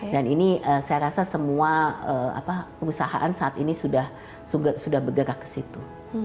dan ini saya rasa semua perusahaan saat ini sudah bergerak ke situ